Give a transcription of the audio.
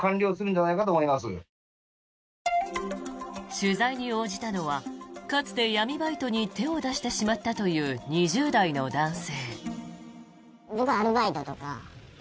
取材に応じたのはかつて闇バイトに手を出してしまったという２０代の男性。